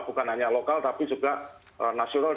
bukan hanya lokal tapi juga nasional